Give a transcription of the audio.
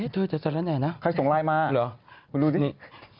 แต่หน้าเขาริมนี้ไง